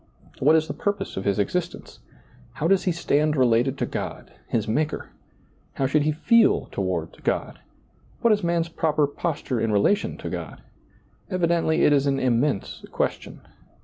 what is the purpose of his existence? how does he ^lailizccbvGoOgle 54 SEEING DARKLY stand related to God — his Maker? how should ' he feel toward God ? what is man's proper posture in relation to God? Evidently it is an immense question.